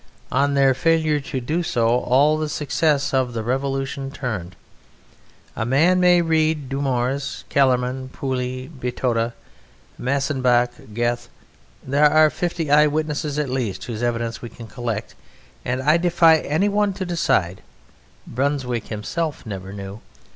On their failure to do so all the success of the Revolution turned. A man may read Dumouriez, Kellermann, Pully, Botidoux, Massenback, Goethe there are fifty eye witnesses at least whose evidence we can collect, and I defy anyone to decide. (Brunswick himself never knew.)